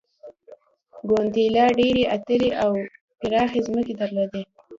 ګواتیلا ډېرې ارتې او پراخې ځمکې درلودلې.